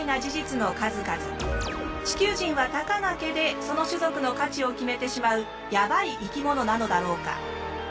地球人はたかが毛でその種族の価値を決めてしまうやばい生き物なのだろうか？